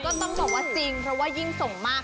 ก็ต้องบอกว่าจริงเพราะว่ายิ่งส่งมาก